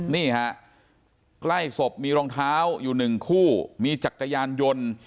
นี่ฮะใกล้ศพมีรองเท้าอยู่หนึ่งคู่มีจักรยานยนต์